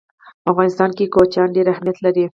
په افغانستان کې کوچیان ډېر اهمیت لري.